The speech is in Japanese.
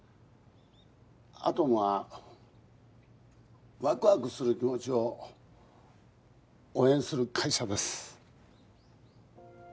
アトムはワクワクする気持ちを応援する会社です